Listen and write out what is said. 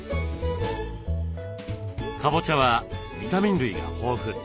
かぼちゃはビタミン類が豊富。